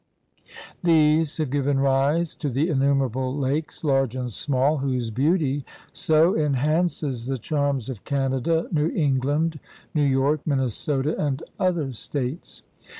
These have given rise to the innumerable lakes, large and small, whose beauty so enhances the charms of Canada, New England, New York, Minnesota, and other States.